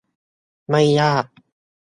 ไม่ยาก